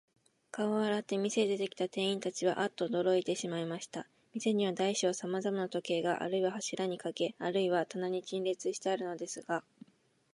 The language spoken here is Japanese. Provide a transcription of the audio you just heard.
顔を洗って、店へ出てきた店員たちは、アッとおどろいてしまいました。店には大小さまざまの時計が、あるいは柱にかけ、あるいは棚に陳列してあるのですが、